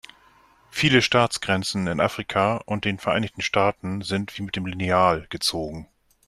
Viele Staatsgrenzen in Afrika und den Vereinigten Staaten sind wie mit dem Lineal gezogen.